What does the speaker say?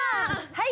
はい！